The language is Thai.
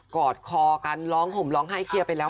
เกาะคอการร้องห่มร้องไห้เคียไปแล้ว